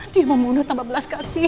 dia membunuh tanpa belas kasih